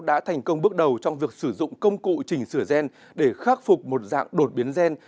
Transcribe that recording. đã thành công bước đầu trong việc sử dụng công cụ trình sửa gen để khắc phục một dạng đột biến gen